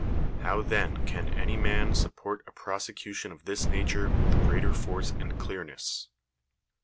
How then can any man support a prosecution of this nature with greater force and clearness?